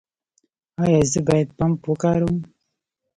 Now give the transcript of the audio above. ایا زه باید پمپ وکاروم؟